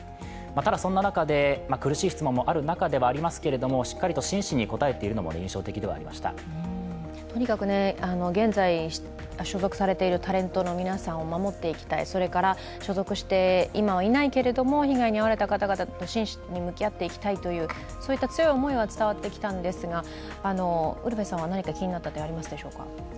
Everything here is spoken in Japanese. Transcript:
ただ、そんな中で苦しい質問もある中ではありますけど、しっかりと真摯に答えているというとにかく現在所属されているタレントの皆さんを守っていきたい、それから今は所属していないけれども、被害に遭われた方々と真摯に向き合っていきたいというそういった強い思いは伝わってきたんですが、ウルヴェさんは何か気になった点はありましたでしょうか？